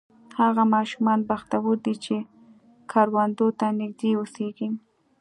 هغه ماشومان بختور دي چې کروندو ته نږدې اوسېږي.